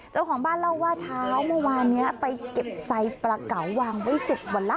เจ้าของบ้านเล่าว่าเช้าเมื่อวานนี้ไปเก็บไซปลาเก๋าวางไว้๑๐วันแล้ว